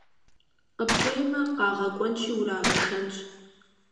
Къыпхуеймэ, къагъэкӀуэнщи урагъэшэнщ.